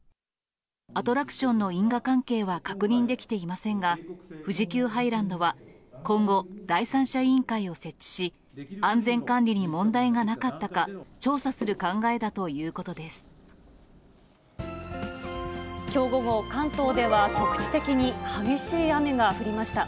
アトラクションの因果関係は確認できていませんが、富士急ハイランドは今後、第三者委員会を設置し、安全管理に問題がなかったか、きょう午後、関東では局地的に激しい雨が降りました。